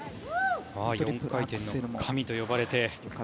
４回転の神と呼ばれて。